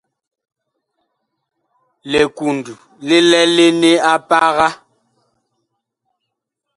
Likund li lɛlene a paga.